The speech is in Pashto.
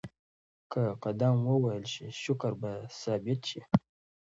که قدم ووهل شي شکر به ثابت شي.